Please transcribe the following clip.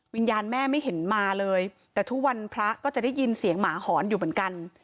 วิญญาณแม่ไม่เห็นมาเลยแต่ทุกวันพระก็จะได้ยินเสียงหมาหอนอยู่เหมือนกัน